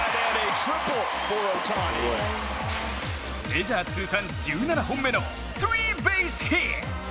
メジャー通算１７本目のスリーベースヒット。